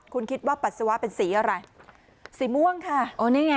คุณคิดว่าปัสสาวะเป็นสีอะไรสีม่วงค่ะโอ้นี่ไง